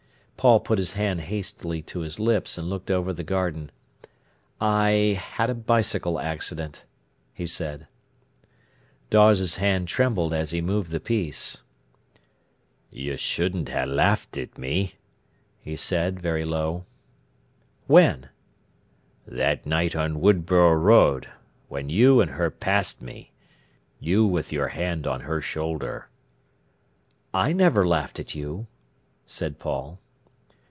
Paul put his hand hastily to his lips, and looked over the garden. "I had a bicycle accident," he said. Dawes's hand trembled as he moved the piece. "You shouldn't ha' laughed at me," he said, very low. "When?" "That night on Woodborough Road, when you and her passed me—you with your hand on her shoulder." "I never laughed at you," said Paul.